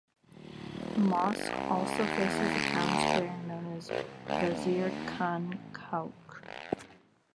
The mosque also faces a town square known as Wazir Khan Chowk.